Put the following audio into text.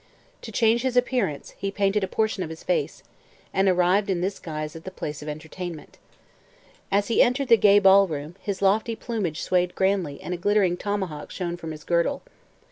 To change his appearance, he painted a portion of his face, and arrived in this guise at the place of entertainment. As he entered the gay ball room, his lofty plumage swayed grandly and a glittering tomahawk shone from his girdle.